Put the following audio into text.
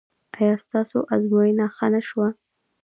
ایا ستاسو ازموینه ښه نه شوه؟